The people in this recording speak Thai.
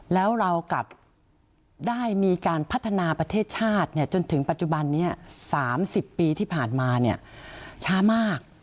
แล้วเรากลับได้มีการพัฒนาประเทศชาติจนถึงปัจจุบันนี้๓๐ปีที่ผ่านมาช้ามาก